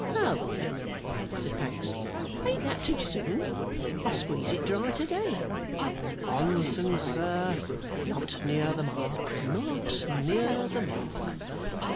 'Oh!' said Pancks. 'Ain't that too soon? I squeezed it dry to day.' 'Nonsense, sir. Not near the mark, not near the mark.